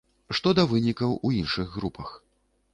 Што да вынікаў у іншых групах.